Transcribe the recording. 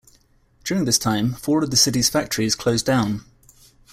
During this time, four of the city's factories closed down.